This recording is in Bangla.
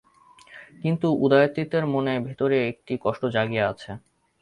কিন্তু উদয়াদিত্যের মনের ভিতর একটি কষ্ট জাগিয়া আছে।